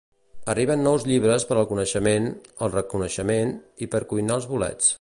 Arriben nous llibres per al coneixement, el reconeixement i per cuinar els bolets.